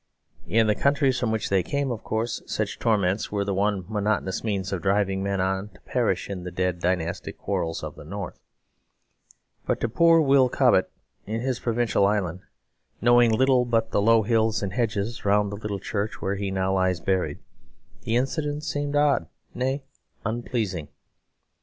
In the countries from which they came, of course, such torments were the one monotonous means of driving men on to perish in the dead dynastic quarrels of the north; but to poor Will Cobbett, in his provincial island, knowing little but the low hills and hedges around the little church where he now lies buried, the incident seemed odd nay, unpleasing.